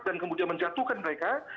dan kemudian menjatuhkan mereka